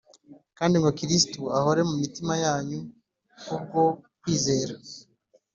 kandi ngo Kristo ahore mu mitima yanyu ku bwo kwizera,